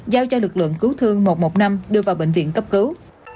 giao cho lực lượng cứu thương một trăm một mươi năm đưa vào bệnh viện cấp cứu